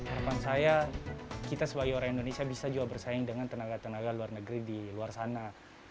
harapan saya kita sebagai orang indonesia bisa juga bersaing dengan tenaga tenaga luar negeri di luar sana